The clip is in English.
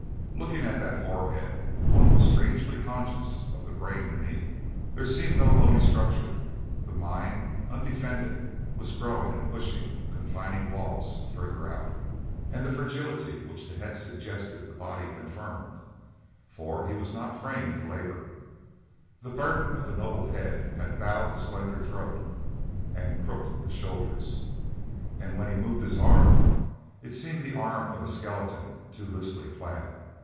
Looking at that forehead one was strangely conscious of the brain beneath. There seemed no bony structure; the mind, undefended, was growing and pushing the confining walls further out. And the fragility which the head suggested the body confirmed, for he was not framed to labor. The burden of the noble head had bowed the slender throat and crooked the shoulders, and when he moved his arm it seemed the arm of a skeleton too loosely clad.